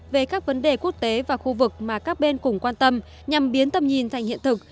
về các vấn đề quốc tế và khu vực mà các bên cùng quan tâm nhằm biến tầm nhìn thành hiện thực